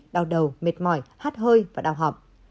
đau đầu mệt mỏi hát hơi và đau họp